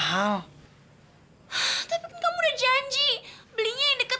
kamu itu pertama mobil yang kuumang sanding sih bayi sop kan